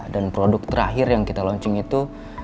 dan produk terakhir yang kita launching itu